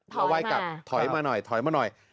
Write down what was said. ถ้าไหว้กลับถอยมาหน่อยถอยมาหน่อย